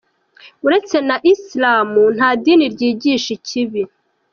Uretse na Islam nta dini ryigisha ikibi ”.